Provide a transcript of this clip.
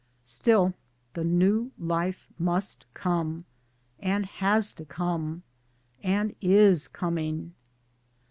Still the new life must come, and has to come, and is coming